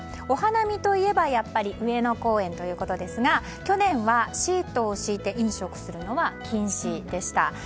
お花見といえばやっぱり上野公園ということですが去年はシートを敷いて飲食するのは禁止でした。